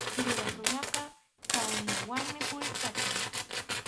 Yuyaq runaqa tawnawanmi puriykachan.